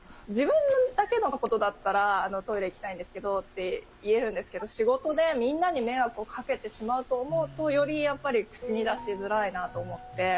自分だけのことだったら「あのトイレ行きたいんですけど」って言えるんですけど仕事でみんなに迷惑をかけてしまうと思うとよりやっぱり口に出しづらいなと思って。